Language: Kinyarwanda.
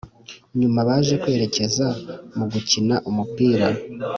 nyuma baje kwerekeza mugukina umupira